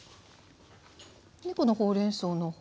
でこのほうれんそうの方に。